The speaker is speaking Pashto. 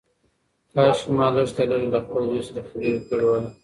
کاشکي ما لږ تر لږه له خپل زوی سره خبرې کړې وای.